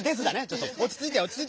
ちょっとおちついてね！